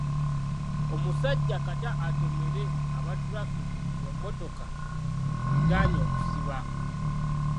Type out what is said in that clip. Omusajja kata atomere aba ttulafiki ng'emmotoka egaanyi okusiba.